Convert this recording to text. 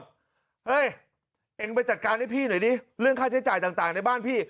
เฮ้ยเองไปจัดการให้พี่หน่อยดิเรื่องค่าใช้จ่ายต่างในบ้านพี่